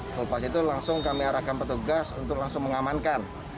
selepas itu langsung kami arahkan petugas untuk langsung mengamankan